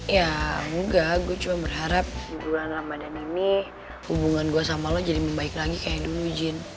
ya semoga gue cuma berharap di bulan ramadhan ini hubungan gue sama lo jadi membaik lagi kayak dulu izin